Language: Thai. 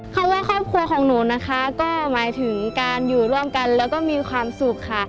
คำว่าครอบครัวของหนูนะคะก็หมายถึงการอยู่ร่วมกันแล้วก็มีความสุขค่ะ